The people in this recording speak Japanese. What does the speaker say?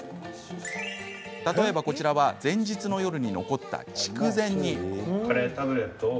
例えばこちらは前日の夜に残った筑前煮。